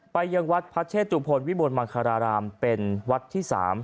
ยังวัดพระเชตุพลวิบลมังคารารามเป็นวัดที่๓